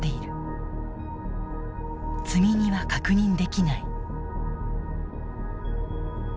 積み荷は確認できない。